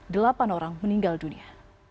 delapan orang meninggal dunia